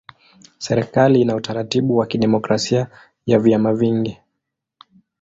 Serikali ina utaratibu wa kidemokrasia ya vyama vingi.